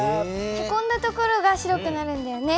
へこんだ所が白くなるんだよね。